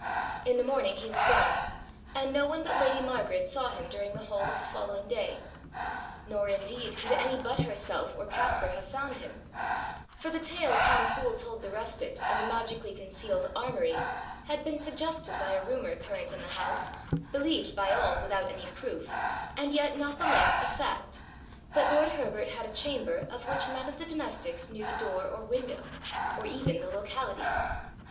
In the morning he was gone, and no one but lady Margaret saw him during the whole of the following day. Nor indeed could any but herself or Caspar have found him, for the tale Tom Fool told the rustics of a magically concealed armoury had been suggested by a rumour current in the house, believed by all without any proof, and yet not the less a fact, that lord Herbert had a chamber of which none of the domestics knew door or window, or even the locality.